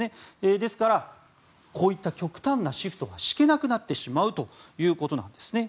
ですからこういった極端なシフトが敷けなくなってしまうということなんですね。